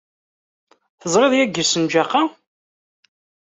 Teẓriḍ yagi ssenǧaq-a?